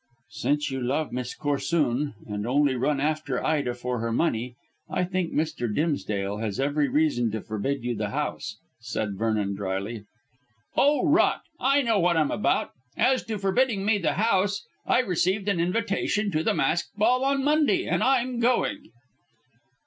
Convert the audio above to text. "Since you love Miss Corsoon, and only run after Ida for her money, I think Mr. Dimsdale has every reason to forbid you the house," said Vernon drily. "Oh, rot. I know what I'm about. As to forbidding me the house, I received an invitation to the masked ball on Monday, and I'm going."